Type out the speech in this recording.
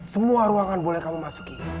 semua ruangan boleh kamu masuki